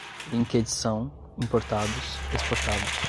linkedição, importados, exportados